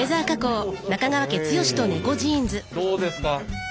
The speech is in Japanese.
どうですか？